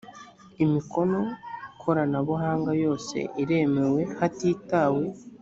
imikono koranabuhanga yose iremewe hatitawe